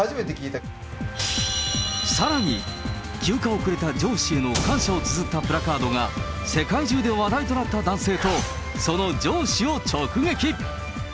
さらに、休暇をくれた上司への感謝をつづったプラカードが世界中で話題となった男性と、その上司を直撃。